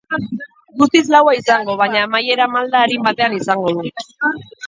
Guztiz laua izango, baina amaiera malda arin batean izango du.